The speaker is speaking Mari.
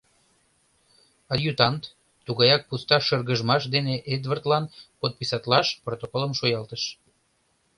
Адъютант тугаяк пуста шыргыжмаш дене Эдвардлан подписатлаш протоколым шуялтыш.